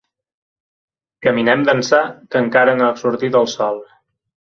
Caminem d'ençà que encara no ha sortit el sol.